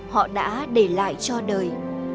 họ đã để lại cho đời